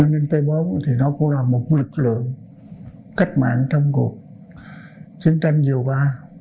an ninh t bốn thì nó cũng là một lực lượng cách mạng trong cuộc chiến tranh nhiều ba